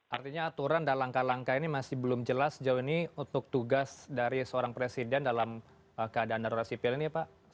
artinya aturan dan langkah langkah ini masih belum jelas sejauh ini untuk tugas dari seorang presiden dalam keadaan darurat sipil ini ya pak